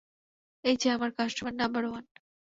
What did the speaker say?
এই যে, আমার কাস্টমার নাম্বার ওয়ান।